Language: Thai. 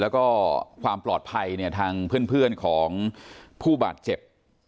แล้วก็ความปลอดภัยเนี่ยทางเพื่อนของผู้บาดเจ็บ